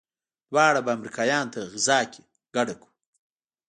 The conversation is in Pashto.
دوا به امريکايانو ته غذا کې ګډه کو.